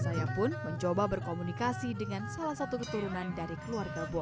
saya pun mencoba berkomunikasi dengan salah satu keturunan dari keluarga bom